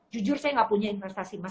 jujur saya gak punya investasi emas